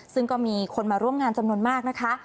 ซึ่งก็มีคนมาร่วมงานจำนวนมากนะคะ